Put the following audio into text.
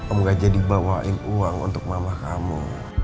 kamu gak jadi bawain uang untuk mama kamu